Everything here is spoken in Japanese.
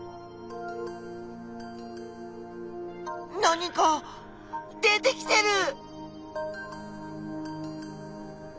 何か出てきてる！